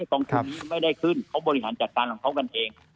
กองทุนนี้ไม่ได้ขึ้นเขาบริหารจัดการของเขากันเอง